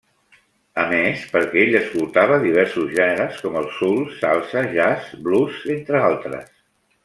A més perquè ell escoltava diversos gèneres com el soul, salsa, jazz, blues, entre altres.